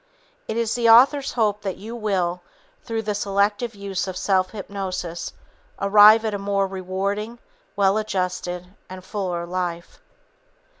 It is the author's hope that you will, through the selective use of self hypnosis, arrive at a more rewarding, well adjusted and fuller life.